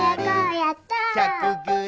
やった！